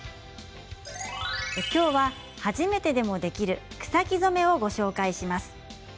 今日は初めてでもできる草木染めをご紹介します。